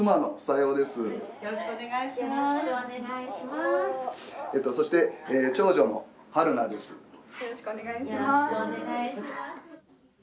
よろしくお願いします。